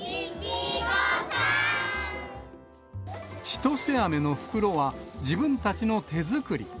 ちとせあめの袋は自分たちの手作り。